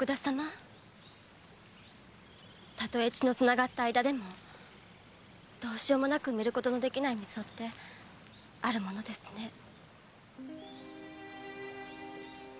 たとえ血の繋がった間でもどうしようもなく埋めることのできない溝ってあるものですね。